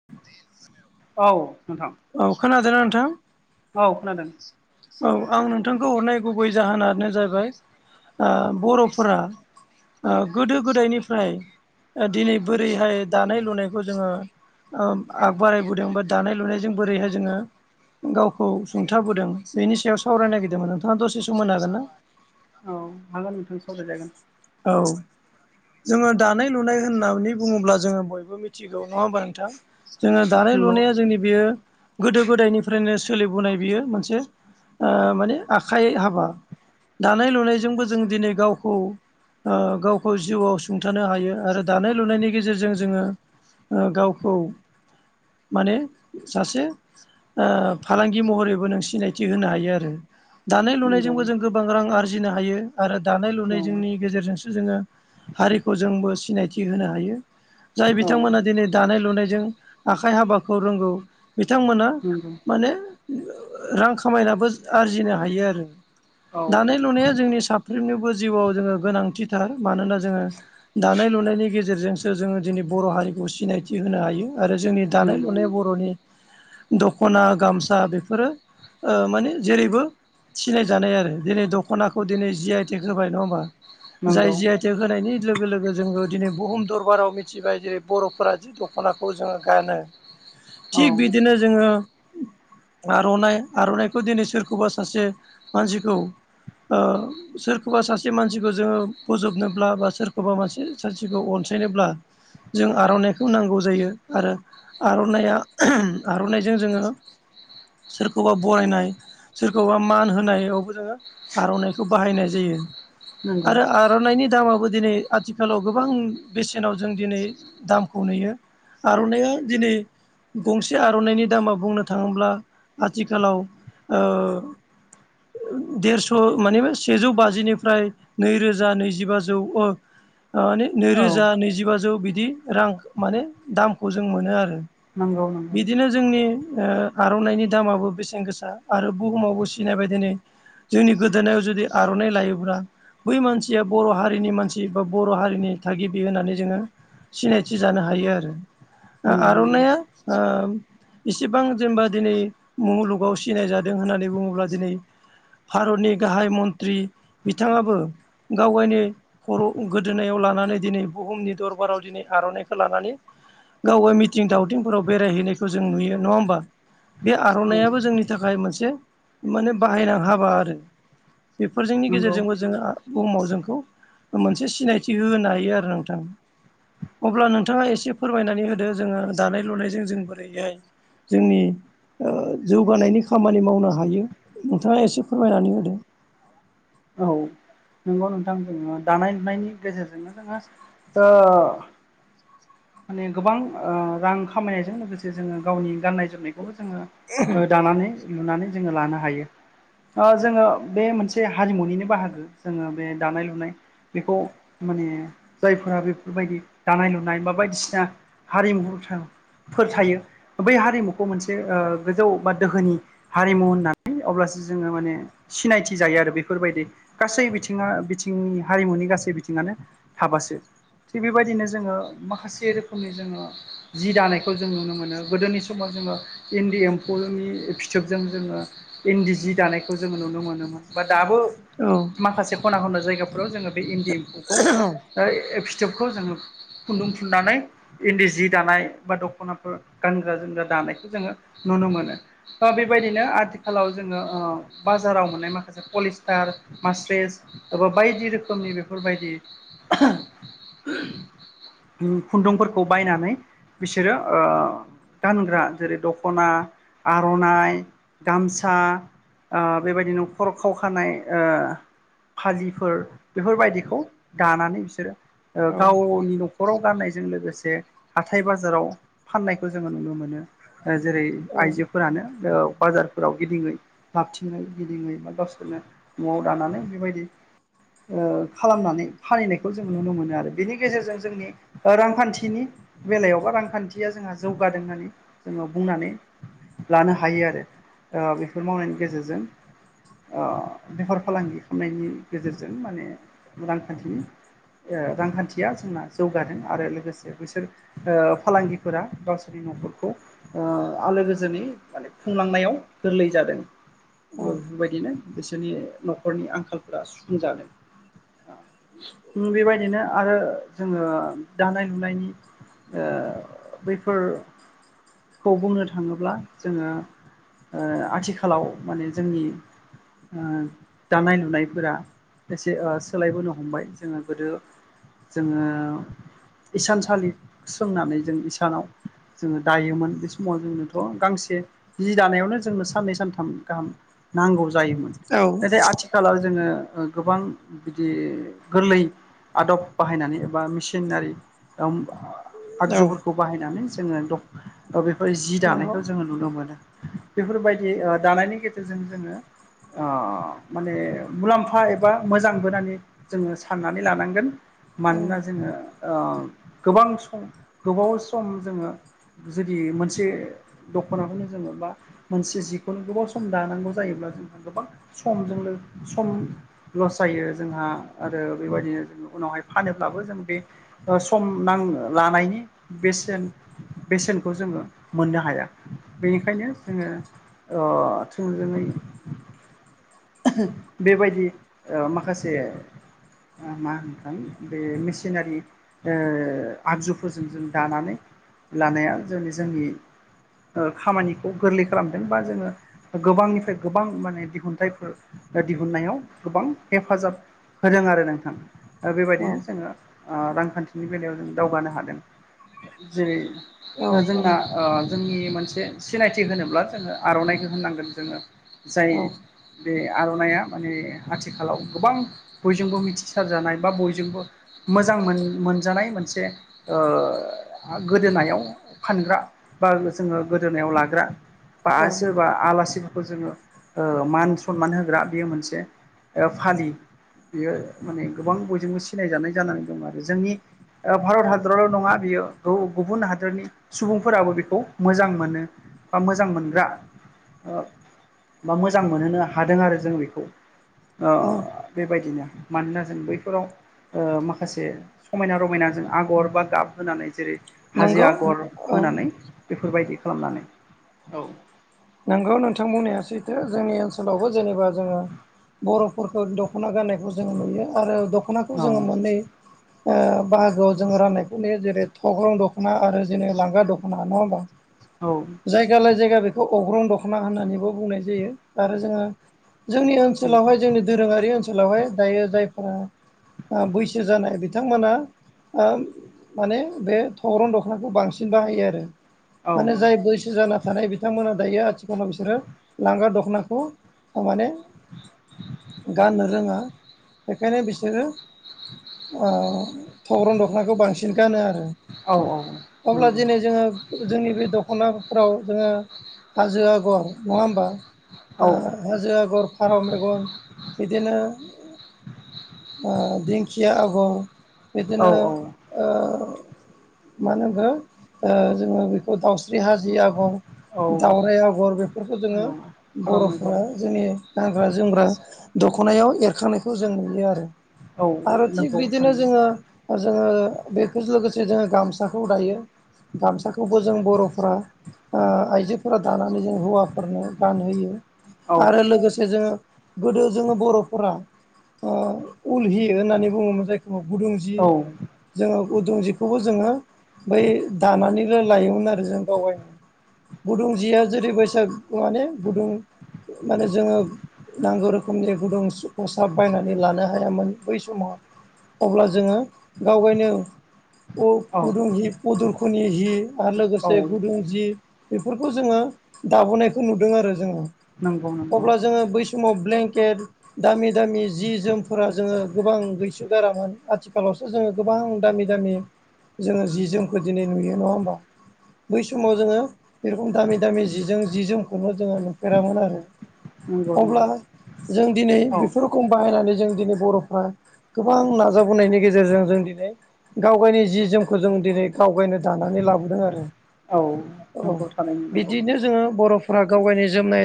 [unintelligible] औ नोंथां। औ खोनादोंना नोंथां। औ खोनादों औ आं नोंथांखौ हरनाय गुबै जाहोनानो जाबाय। बर'फोरा गोदो गोदायनिफ्राय दिनै बोरैहाय दानाय लुनायखौ जोङो। ओ आ बोरायबोदों बा दानाय लुनायजों बोरैहाय जोङो गावखौ सुंथाबोदों बेनि सायाव सावरायनो नागिरदोंमोन नोंथाङा दसे सम मोन हागोन ना? औ हागोन नोंथां सावरायजागोन। औ जोङो दानाय लुनाय होननानै बुङोब्ला जोङो बयबो मिथिगौ नङा होमबा नोंथां? जोङो दानाय नंगौ लुनाया जोंनि बेयो गोदो गोदायनिफ्रायनो सोलिबोनाय बियो मोनसे ओ माने आखाइ हाबा दानाय लुनायजोंबो जों दिनै गावखौ ओ गावखौ जिउआव सुंथानो हायो आरो दानाय लुनायनि गेजेरजों जोङो ओ गावखौ माने सासे ओ फालांगि महरैबो नों सिनायथि होनो हायो आरो दानाय नंगौ लुनायजोंबो जों गोबां गोबां रां आरजिनो हायो आरो दानाय औ लुनाय जोंनि गेजेरजोंसो जोङो हारिखौ जोंबो सिनायथि होनो हायो। जाय औ बिथांमोना दिनै दानाय लुनायजों आखाइ हाबाखौ रोंगौ बिथांमोना नंगौ माने रां खामायनाबो आरजिनो हायो आरो। औ दानाय लुनाया जोंनि साफ्रोमनिबो जिउआव जोङो गोनांथिथार मानोना जोङो दानाय लुनायनि गेजेरजोंसो जोङो दिनै बर' हारिखौ सिनायथि होनो हायो। आरो जोंनि दानाय नंगौ लुनाय बर'नि दख'ना गामसा बेफोरो ओ माने जेरैबो सिनाय जानाय आरो दिनै दख'नाखौ दिनै जि आइ टेक होबाय नङा होमबा जाय नंगौ जि आइ थेग थि होनायनि लोगो लोगो जोङो दिनै बुहुम दरबाराव मिथिबाय जेरै बर'फोरा जि दख'ना खौ जोङो गानो औ थिग बिदिनो जोङो आर'नाइ आर'नाइखौ दिनै सोरखौबा सासे मानसिखौ ओ सोरखौबा सासे मानसिखौ जोङो बोजबनोब्ला बा सोरखौबा मासे सानसेखौ अनसायनोब्ला जों आर'नाइखौ नांगौ जायो। आरो आर'नाइया आर'नाइजों जोङो सोरखौबा बरायनाय सोरखौबा मान होनायावबो जोङो आर'नाइखौ बाहायनाय जायो। नंगौ आरो आर'नाइनि दामाबो दिनै आथिखालाव गोबां बेसेनाव जों दिनै दामखौ नुयो आर'नाइया दिनै गंसे आर'नाइनि दामा बुंनो थाङोब्ला आथिखालाव ओ देरस' मानिबा सेजौ बाजिनिफ्राय नैरोजा नैजिबाजौ ओ माने औ नैरोजा नैजिबाजौ बिदि रां माने दामखौ जों मोनो आरो। नंगौ नंगौ बिदिनो जोंनि ओ आर'नाइनि दामाबो बेसेन गोसा आरो बुहुमावबो सिनायबाय दिनै। जोंनि गोदोनायाव जुदि आर'नाइ लायोब्ला बै मानसिया बर' हारिनि मानसि बा बर' हारिनि थागिबि होननानै जोङो सिनायथि जानो हायो आरो दा नंगौ नंगौ आर'नाइया ओ इसिबां जेनेबा दिनै मुलुगाव सिनाय जादों होननानै बुङोब्ला दिनै भारतनि गाहाय मन्त्रि बिथाङाबो गाव गावनि खर' गोदोनायाव लानानै दिनै बुहुमनि दरबाराव दिनै आर'नाइखौ लानानै गाव मिथिं दावथिंफोराव बेरायहैनायखौ जों नुयो नङा होमबा बे औ आर'नायइाबो जोंनि थाखाय मोनसे माने बाहायनां हाबा आरो बेफोरजोंनि नंगौ गेजेरजोंबो जोङो बुहुमाव जोंखौ मोनसे सिनायथि होनो हायो आरो नोंथां अब्ला नोंथाङा एसे फोरमायनानै होदो जोङो दानाय लुनायजों जों बोरैहाय जोंनि ओ जौगानायनि खामानि मावनो हायो नोंथाङा एसे फोरमायनानै होदों औ नोंगौ नोंथां जोङो दानाय लुनायनि गेजेरजोंनो जोङो ओ माने गोबां ओ रां खामायनायजों लोगोसे जोङो गावनि गाननाय जोमनायखौबो जोङो ओ दानानै लुनानै जोङो लानो हायो ओ जोङो बे मोनसे हारिमुनिनो बाहागो जोङो बे दानाय लुनाय बेखौ माने जायफोरा बेफोरबायदि दानाय लुनाय बा बायदिसिना हारिमु जों फोथायो बै हारिमुखौ मोनसे ओ गोजौ बा दोहोनि हारिमु होननानै अब्लासो जोङो माने सिनायथि जायो आरो बे फोरबायदि गासै बिथिङा बिथिंनि हारिमुनि गासै बिथिङानो थाबासो। थिग बेबायदिनो जोङो माखासे रोखोमनि जोङो जि दानायखौ जों नुनो मोनो गोदोनि समाव जोङो इन्दि एम्फौनि फिथोबजों जोङो इन्दि जि दानायखौ जोङो नुनो मोनोमोन बाट दाबो औ माखासे खना खना जायगाफ्राव जोङो बे इन्दि एम्फौखौ औ ओय ओ फिथोबखौ जोङो खुन्दुं थुननानै इन्दि जि दानाय बा दख'नाफोर गानग्रा जोमग्रा दानायखौ जोङो नुनो मोनो। ओ बेबायदिनो आथिखालाव जोङो ओ बाजाराव मोननाय मा खासे पलिस्टार मास्रेस एबा बायदि रोखोमनि बेफोरबायदि उम खुन्दुंफोरखौ बायनानै बिसोरो ओ गानग्रा जेरै दख'ना आर'नाइ गामसा ओ बेबायदिनो खर' खाव खानाय ओ फालिफोर बेफोरबायदिखौ दानानै बिसोरो ओ गावनि न' खराव गाननायजों लोगोसे हाथाय बाजाराव फाननायखौ जोङो नुनो मोनो। ओ जेरै आइजोफोरानो ओ बाजारफोराव गिदिङै हाबथिङै गिदिङै गावसोरनो न'आव दानानै बेबायदि ओ खालामनानै फालिनायखौ जों नुनो मोनो आरो बेनि गेजेरजों जोंनि ओ रांखान्थिनि बेलायावबा रांखान्थिया जोंहा जौगादों होननानै जोङो बुंनानै लानो हायो आरो बेफोर मावनायनि गेजेरजों। ओ बेफार फालांगि खालामनायनि गेजेरजों माने रांखान्थिनि [unintelligible] रांखान्थिया जोंना जौगादों आरो लोगोसे बिसोर ओ फालांगिफोरा गावसोरनि न'खरखौ ओ आलो गोजोनै माने खुंलांनायाव गोरलै जादों [unintelligible] बिदिनो बिसोरनि न'खरनि आंखालफोरा सुफुंजादों। बेबायदिनो आरो जोंङो दानाय लुनायनि बैफोर खौ बुंनो थांङोब्ला जोंङो आथिखालाव माने जोंनि दानाय लुनायफोरा एसे सोलायबोनो हमबाय जोंङो गोदो जोंङो इंसानसालि सोंनानै जों इंसानाव जोंङो दायोमोन बे समाव जोंनोथ' गांसे जि दानायावनो जोंनो साननै सानथाम गाहाम नांगौ जायोमोन औ औ। नाथाय आथिखाल आथि खालााव जोंङो गोबां बिदि गोरलै आदब बाहायनानै एबा मेसिनारि आगजुफोरखौ बाहायनानै जोङो ओ बेफोर जि दानायखौ जोङो नुनो मोनो बेफोरबायदि ओ दानायनि गेजेरजों जोङो ओ माने मुलाम्फा एबा मोजां [unintelligible] जोङो साननानै लानांगोन मानोना जोङो ओ गोबां सम गोबाव सम जोङो जुदि मोनसे दख'नाखौनो जोङो बा मोनसे जिखौनो गोबाव सम दानांगौ जायोब्ला जों गोबां समजों लोगो सम लस जायो जोंहा आरो बेबायदिनो जों उनावहाय फानोब्लाबो जों बे ओ सम नां लानायनि बेसेन बेसेनखौ जोंङो मोननो हाया बेनिखायनो जोंङो आथिंग जै बेबायदि माखासे मा होनगोन बे मेसिनारि आगजुफोरजों जों दानानै लानाया जोंनि जोंनि खामानिखौ गोरलै खालामदों बा जोंङो गोबांनिफ्राय गोबां माने दिहुनथाइफोर दिहुननायाव गोबां हेफाजाब होदों आरो नोंथां। बेबायदिनो जोंङो रांखान्थिनि बेलायाव जों दावगानो हादों। जेरै जोंना जोंनि मोनसे सिनायथि होनोब्ला जोंङो आर'नाइखौ होननांगोन जोंङो। जायो। बे आर'नाइया माने आथिखालाव गोबां बयजोंबो मिथिसारजानाय बा बयजोंबो मोजां मोन-मोनजानाय मोनसे गोदोनायाव फानग्रा बा जोंङो गोदोनायाव लाग्रा बा सोरबा आलासिफोरखौ जोंङो मान सनमान होग्रा बेयो मोनसे फालि। बियो माने गोबां बयजोंबो सिनायजानाय जानानै दं आरो जोंनि भारत हादरावल' नंङा बियो गुबुन हादरनि सुबुंफोराबो बेखौ मोजां मोनो बा मोजां मोनग्रा बा मोजां मोनहोनो हादों आरो जों बेखौ। बेबायदिनो मानोना जों बैफोराव माखासे समायना रमायनाजों आगर बा गाब होनानै जेरै हाजो नंगौ आगर औ होनानै बेफोरबायदि खालामनानै औ। नोंगौ नोंथां बुंनाया सैथो जोंनि ओनसोलावबो जेनेबा जोंङो बर'फोरखौ दख'ना गाननायखौ जों नुयो आरो दख'नाखौ औ जोंङो मोननै बाहागोआव जोंङो राननायखौ ने जेरै थग्रं दख'ना आरो जेने लांगा दख'ना नंङा होमबा? औ। जायगालाय जायगा बेखौ अग्रं दख'ना होननानैबो बुंनाय जायो आरो जोंङो जोंनि नंगौ ओनसोलावहाय जोंनि दोरोंङारि ओनसोलावहाय दायो जायफोरा बैसो जानाय बिथांमोना माने बे थौरन दख'नाखौ बांसिन बाहायो आरो औ माने जाय बैसो जाना थानाय बिथांमोना दायो आथिखालाव बिसोरो लांगा दख'नाखौ माने गाननो रोंङा बेखायनो बिसोरो थग्रन दखनाखौ बांसिन गानो आरो। औ अब्ला नंगौ दिनै जोंङो जोंनि बे दख'नाफ्राव जोंङो हाजो आगर नङा होमबा? औ हाजो आगर फारौ मेगन बिदिनो दिंखिया आगर औ बिदिनो ओ मानो हो ओ जोङो बेखौ दाउस्रि हाजि आगर औ दावराइ आगर बेफोरखौ जोङो औ फारौ मेगन बर'फोरा जोंनि गानग्रा जोमग्रा दख'नायाव एरखांनायखौ जों नुयो आरो। औ आरो थिग नंगौ बिदिनो जोङो थारैनो ओ जोंङो बेफोरजों लोगोसे जोंङो गामसाखौ दायो गामसाखौबो जों बर'फ्रा आइजोफोरा दानानै जों हौवाफोरनो गानहोयो औ आरो लोगोसे जोंङो गोदो जोंङो बर'फोरा उल हि ी होननानै बुंङोमोन जायखौ गुदुं जि औ जोंङो गुदुं जिखौबो जोंङो बै दानानैल लायोमोन आरो। जों गावगायनो। गुदुं जिया जेरै बैसागु माने गुदुं माने जोंङो। नांगौ रोखोमनि गुदुं खसाब बायनानै लानो हायामोन बै समाव। अब्ला जोङो गावगायनो उ औ गुदुं हि पुदुखुनि हि आरो औ लोगोसे गुदुं जि बेफोरखौ जोङो दाबोनायखौ नुदों आरो जोङो नंगौ नंगौ अब्ला जोङो बै समाव ब्लेंकेट दामि दामि जि जोमफोरा जोङो गोबां गैसो गारामोन। आथिखालावसो जोङो गोबां दामि दामि जोङो जि जोमखौ दिनै नुयो। नङा होमबा? बै समाव जोङो बे रखम दामि दामि जि जोम जि जोमखौनो जोङो नुफेरामोन आरो। नंगौ अब्ला नंगौ जों दिनै औ बेफोर खौ बाहायनानै जों दिनै बर'फ्रा गोबां नाजाबोनायनि गेजेरजों जों दिनै गाव गायनि जि जोमखौ जों दिनै गाव गायनो दानानै लाबोदों आरो। औ। औ नंगौ थारैनो नंगौ बिदिनो जोङो बर'फ्रा गाव गायनि जोमनाय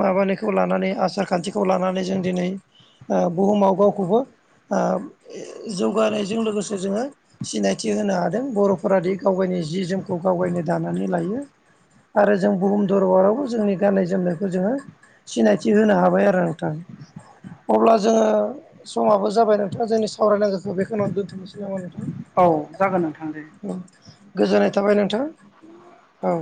माबानायखौ लानानै आसार खान्थिखौ लानानै जों दिनै ओ बुहुमाव गावखौबो ओ जौगानायजों लोगोसे जोङो सिनायथि होनो हादों बर'फोरा दि गाव गायनि जि जोमखौ गाव गायनो दानानै लायो। आरो जों बुहुम दरबारावबो जोंनि गाननाय जोमनायखौ जोङो सिनायथि होनो हाबाय आरो नोंथां। अब्ला जोङो समाबो जाबाय नोंथाङा जोंनि सावरायनांगौखौ बेखौनो आं दोन्थ'नोसै नामा नोंथां? औ जागोन नोंथां दे। ओं गोजोननाय थाबाय नोंथां। औ।